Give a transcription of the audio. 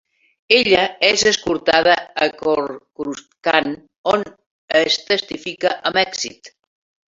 Ella és escortada a Coruscant, on es testifica amb èxit.